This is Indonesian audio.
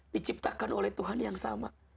diciptakan oleh tuhan yang sama